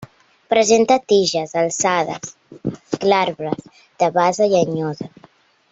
Presenta tiges alçades, glabres, de base llenyosa.